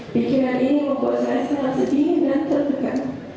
pikiran ini membuat saya sangat sedih dan terdekat